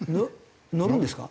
乗るんですか？